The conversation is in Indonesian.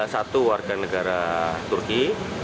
satu warga negara turki